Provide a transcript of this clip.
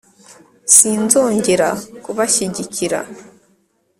sinzongera kubashyigikira